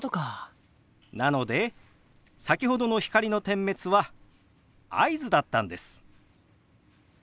なので先ほどの光の点滅は合図だったんです。